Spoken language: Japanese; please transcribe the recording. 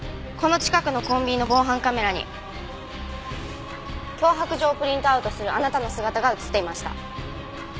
この近くのコンビニの防犯カメラに脅迫状をプリントアウトするあなたの姿が映っていました。